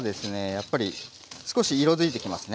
やっぱり少し色づいてきますね。